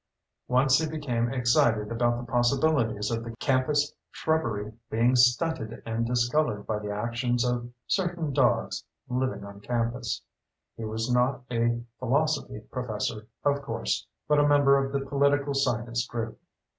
Once he became excited about the possibilities of the campus shrubbery being stunted and discolored by the actions of certain dogs living on campus. He was not a philosophy professor, of course, but a member of the political science group.